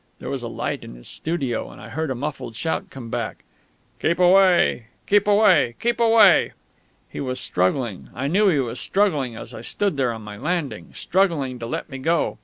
There was a light in his studio, and I heard a muffled shout come back. "Keep away keep away keep away!" He was struggling I knew he was struggling as I stood there on my landing struggling to let me go.